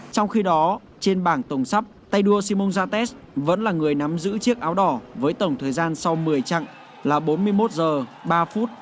trong khi đó trên bảng tổng sắp tay đua simon zates vẫn là người nắm giữ chiếc áo đỏ với tổng thời gian sau một mươi trạng là bốn mươi một h ba